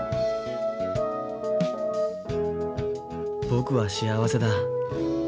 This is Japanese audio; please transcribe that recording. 僕は幸せだ。